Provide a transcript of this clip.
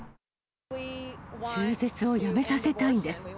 中絶をやめさせたいんです。